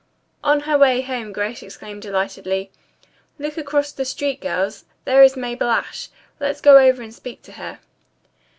On her way home Grace exclaimed delightedly: "Look across the street, girls! There is Mabel Ashe. Let's go over and speak to her."